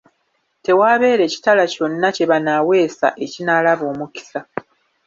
Tewaabeere kitala kyonna kye banaaweesa ekinaalaba omukisa.